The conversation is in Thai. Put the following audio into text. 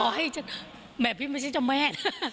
ให้แม่พี่ไม่ใช่เจ้าแม่นะ